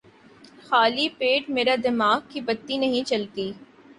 خالی پیٹ میرے دماغ کی بتی نہیں جلتی